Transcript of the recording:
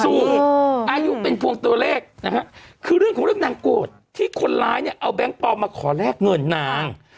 อายุเป็นพวงตัวเลขนะฮะคือเรื่องของเรื่องนางโกรธที่คนร้ายเนี่ยเอาแบงค์ปลอมมาขอแลกเงินนาง